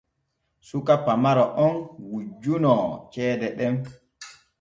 Suka pamaro on wujjunoo ceede ɗen.